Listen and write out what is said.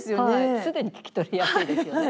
すでに聞き取りやすいですよね。